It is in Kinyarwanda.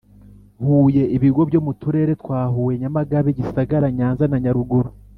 Huye ibigo byo mu turere twa huye nyamagabe gisagara nyanza na nyaruguru